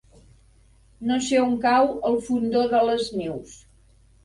No sé on cau el Fondó de les Neus.